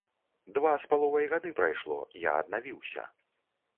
Два з паловай гады прайшло, я аднавіўся.